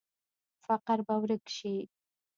فقر به ورک شي؟